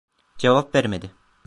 Cevap vermedi…